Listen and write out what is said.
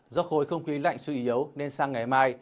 do khối không khí lạnh suy yếu nên sang ngày mai